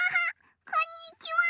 こんにちは。